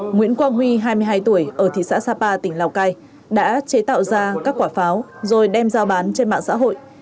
nguyễn quang huy hai mươi hai tuổi ở thị xã sapa tỉnh lào cai đã chế tạo ra các quả pháo rồi đem giao bán trên mạng xã hội